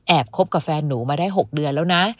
คบกับแฟนหนูมาได้๖เดือนแล้วนะ